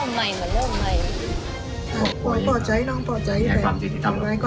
เขาไม่ได้บอกได้ว่าจะประหารเขาจริงก็คงควรจะบอกเพราะว่าการประหารเขา